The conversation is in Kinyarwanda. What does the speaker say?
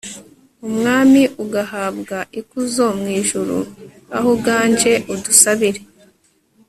umwami, ugahabwa ikuzo mu ijuru, aho uganje udusabire